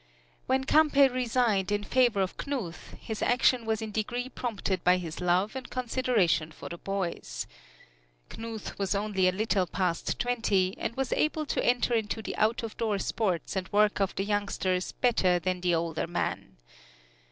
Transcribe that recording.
When Campe resigned in favor of Knuth his action was in degree prompted by his love and consideration for the boys. Knuth was only a little past twenty, and was able to enter into the out of door sports and work of the youngsters better than the older man.